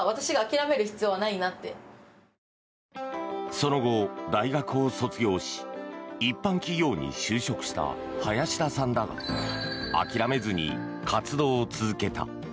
その後、大学を卒業し一般企業に就職した林田さんだが諦めずに活動を続けた。